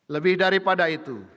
lebih daripada itu